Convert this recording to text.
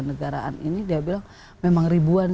negaraan ini dia bilang memang ribuan